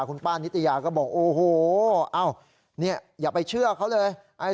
คุณป้านิตยาก็บอกโอ้โหเนี่ยอย่าไปเชื่อเขาเลย